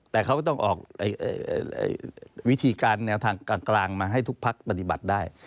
แต่เขาก็ต้องออกวิธีการแนวทางกลางมาให้ทุกพักปฏิบัติได้